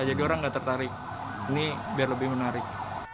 jadi orang nggak tertarik ini biar lebih menarik